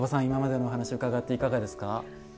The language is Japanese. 今までのお話を伺っていかがですか？